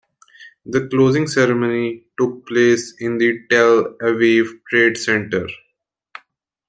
The closing ceremony took place in the Tel Aviv Trade Center.